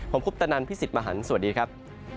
ผมคุปตะนันพี่สิทธิ์มหันฯสวัสดีครับ